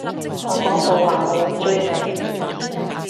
我講過話我會追你